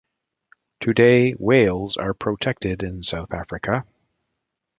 Today whales are protected in South Africa.